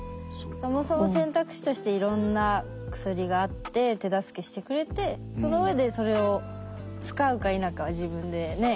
そもそも選択肢としていろんな薬があって手助けしてくれてそのうえでそれを使うか否かは自分でね